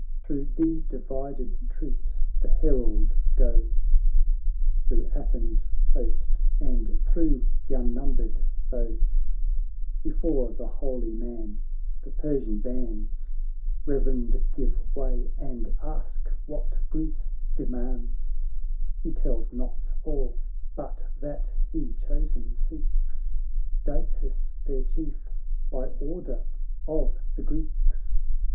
Thro' the divided troops the herald goes. Thro' Athens' host, and thro' th' un numbered foes ; Before the holy man the Persian bands Reverend give way, and ask' what Greece demands : He tells not all, but that he, chosen, seeks Datis their Chief, by order of the Greeks.